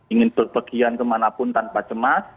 ingin berpergian kemanapun tanpa cemas